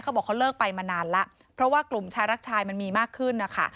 บอกเขาเลิกไปมานานแล้วเพราะว่ากลุ่มชายรักชายมันมีมากขึ้นนะคะ